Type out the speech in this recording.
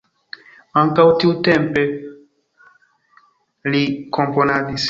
Ankaŭ tiutempe li komponadis.